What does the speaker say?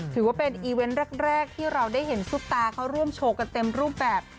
ถือว่าเป็นอีเวนต์แรกที่เราได้เห็นซุปตาเขาร่วมโชว์กันเต็มรูปแบบ